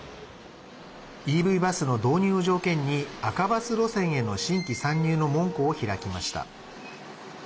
ＥＶバスの導入を条件に赤バス路線への新規参入の門戸を開きました。